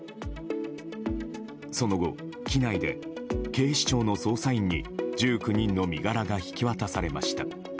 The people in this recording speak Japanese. その後、機内で警視庁の捜査員に１９人の身柄が引き渡されました。